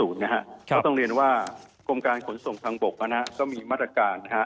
ก็ต้องเรียนว่ากรมการขนส่งทางบกก็มีมาตรการ